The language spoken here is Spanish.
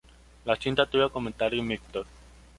La cinta tuvo comentarios mixtos.